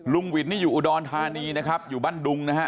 หวินนี่อยู่อุดรธานีนะครับอยู่บ้านดุงนะฮะ